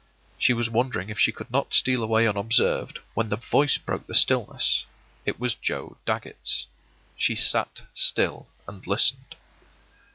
She was wondering if she could not steal away unobserved, when the voice broke the stillness. It was Joe Dagget's. She sat still and listened.